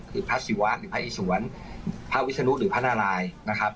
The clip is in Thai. คือพระศิวะหรือพระอิสวนพระวิศนุหรือพระนารายนะครับ